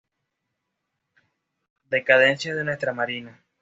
Decadencia de nuestra marina.